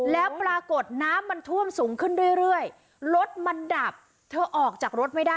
แล้วปรากฏน้ำมันท่วมสูงขึ้นเรื่อยรถมันดับเธอออกจากรถไม่ได้